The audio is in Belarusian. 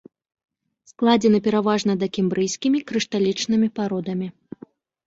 Складзены пераважна дакембрыйскімі крышталічнымі пародамі.